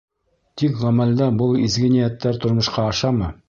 Тик ғәмәлдә был изге ниәттәр тормошҡа ашамы?